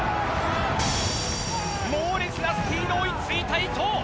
猛烈なスピード追いついた伊東。